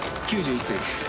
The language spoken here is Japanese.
９１歳です。